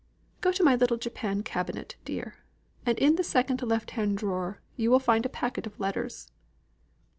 Go to my little japan cabinet, dear, and in the second left hand drawer you will find a packet of letters."